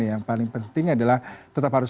yang paling penting adalah tetap harus